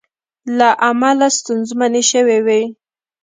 له امله ستونزمنې شوې وې